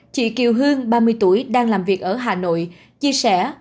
chị kiều hương ba mươi tuổi đang làm việc ở hà nội chia sẻ